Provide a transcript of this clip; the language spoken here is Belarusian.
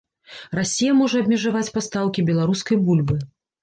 Расія можа абмежаваць пастаўкі беларускай бульбы.